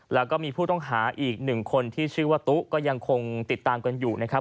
แล้วก็มีผู้ต้องหาอีกหนึ่งคนที่ชื่อว่าตุ๊ก็ยังคงติดตามกันอยู่นะครับ